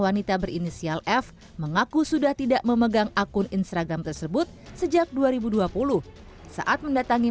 wanita berinisial f mengaku sudah tidak memegang akun instagram tersebut sejak dua ribu dua puluh saat mendatangi